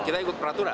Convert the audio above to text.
kita ikut peraturan